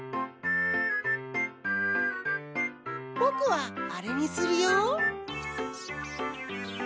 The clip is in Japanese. ぼくはあれにするよ。